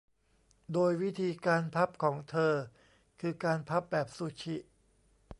โดยวิธีการพับของเธอคือการพับแบบซูชิ